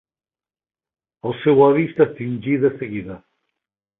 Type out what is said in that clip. El seu odi s'extingí de seguida.